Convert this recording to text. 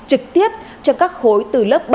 trực tiếp cho các khối từ lớp bảy